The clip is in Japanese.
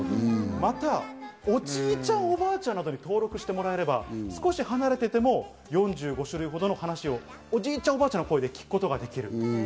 また、おじいちゃん、おばあちゃんなどに登録してもらえれば少し離れていても４５種類ほどの話をおじいちゃん、おばあちゃんの声で聞くことができる。